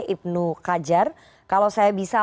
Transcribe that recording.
ibnu kajar kalau saya bisa